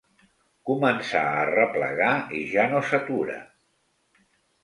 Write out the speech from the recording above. Començar a arreplegar i ja no s'atura.